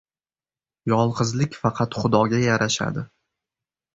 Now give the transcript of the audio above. • Yolg‘izlik faqat Xudoga yarashadi.